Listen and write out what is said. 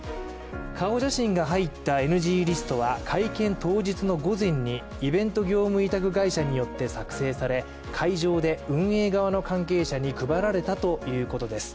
顔写真が入ったＮＧリストは会見当日の午前に、イベント業務委託会社によって作成され会場で運営側の関係者に配られたということです。